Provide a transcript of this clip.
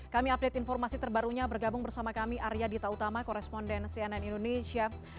kami update informasi terbarunya bergabung bersama kami arya dita utama koresponden cnn indonesia